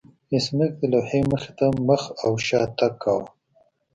ایس میکس د لوحې مخې ته مخ او شا تګ کاوه